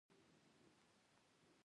يو نٙفٙس د اذيت دې سل حسينه